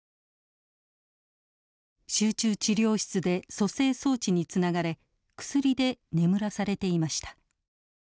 集中治療室で蘇生装置につながれ薬で眠らされていました。